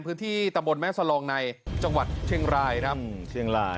พื้นที่ตำบลแม่สลองในจังหวัดเชียงรายครับเชียงราย